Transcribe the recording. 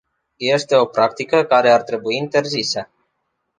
Este o practică care ar trebui interzisă.